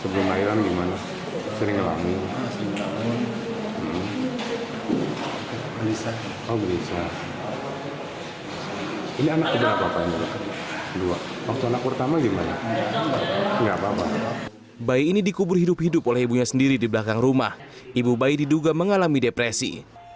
bayi ini dikubur hidup hidup oleh ibunya sendiri di belakang rumah ibu bayi diduga mengalami depresi